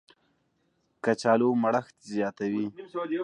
کچالو مړښت زیاتوي